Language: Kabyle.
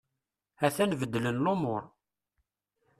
A-t-an beddlen lumur.